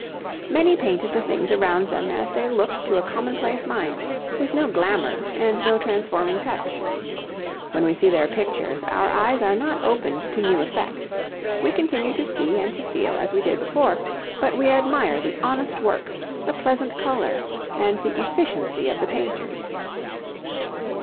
Many painted the things around them as they looked to a commonplace mind, with no glamour and no transforming touch. When we see their pictures, our eyes are not opened to new effects. We continue to see and to feel as we did before, but we admire the honest work, the pleasant colour, and the efficiency of the painters.